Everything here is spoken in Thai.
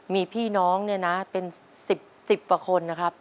มีพี่น้องเนี่ยนะเป็นสิบประคนนะครับ